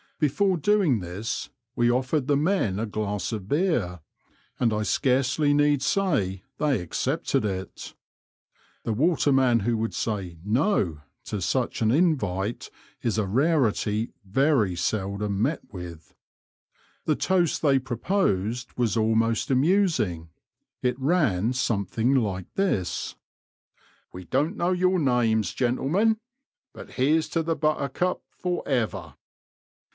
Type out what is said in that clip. Before doing this, we offered the men a glass of beer, and I scarcely need say they accepted it. (The waterman who would say " no '* to such an invite is a rarity very seldom met with.) The toast they proposed was almost amusing; it ran something like this: — "We don't know your names, gentlemen, but here's to the Buttercup for ever."